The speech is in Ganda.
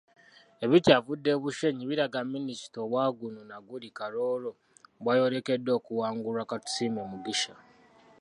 Ebikyavudde e Bushenyi biraga Minisita owa guno naguli Karooro, bw'ayolekedde okuwangulwa Katusiime Mugisha.